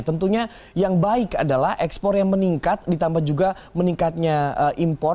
tentunya yang baik adalah ekspor yang meningkat ditambah juga meningkatnya impor